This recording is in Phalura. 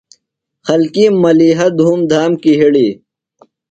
خلکِیم ملِیحہ دُھوم دھام کیۡ ہِڑیۡ۔